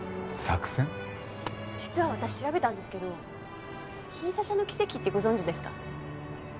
実は私調べたんですけどキンサシャの奇跡ってご存じですか？